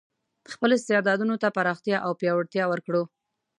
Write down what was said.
خپل استعدادونو ته پراختیا او پیاوړتیا ورکړو.